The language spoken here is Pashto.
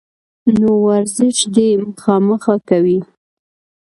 نو ورزش دې خامخا کوي